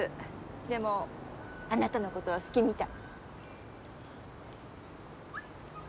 でもあなたのことは好きみたい。